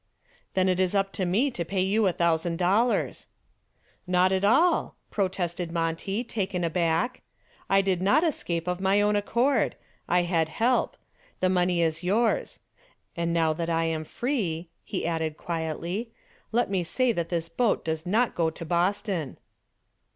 "Then it is up to me to pay you a thousand dollars." "Not at all," protested Monty, taken aback. "I did not escape of my own accord. I had help. The money is yours. And now that I am free," he added quietly, "let me say that this boat does not go to Boston."